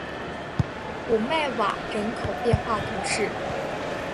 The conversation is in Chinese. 古穆瓦人口变化图示